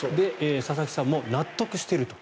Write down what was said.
佐々木さんも納得してると。